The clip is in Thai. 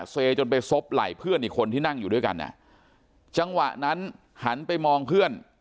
เซจนไปซบไหล่เพื่อนอีกคนที่นั่งอยู่ด้วยกันอ่ะจังหวะนั้นหันไปมองเพื่อน